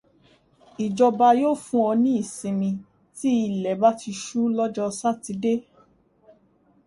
Ìjọba yóò fún ọ ní ìsinmi tí ilẹ̀ bá ti ṣu lọ́jọ́ Sátidé